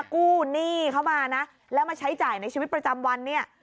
กู้หนี้เขามานะแล้วมาใช้จ่ายในชีวิตประจำวันเนี่ย